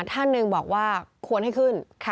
ท่านหนึ่งบอกว่าควรให้ขึ้น